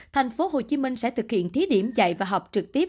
tp hcm sẽ thực hiện thí điểm dạy và học trực tiếp